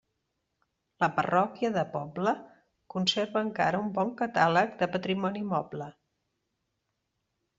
La parròquia de Pobla conserva encara un bon catàleg de patrimoni moble.